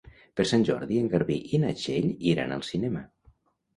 Per Sant Jordi en Garbí i na Txell iran al cinema.